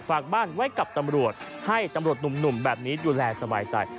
ฝากบ้านไว้กับตำรวจให้ตำรวจหนุ่มแบบนี้ดูแลสบายใจ